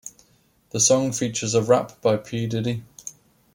The song features a rap by P. Diddy.